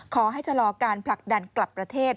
ขอให้ทะลอการพลักดันกลับประเทศ